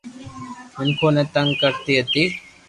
مينکون ني تنگ ڪرتي ھتي